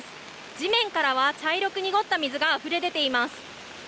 地面からは茶色く濁った水があふれ出ています。